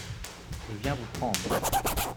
Je viens vous prendre.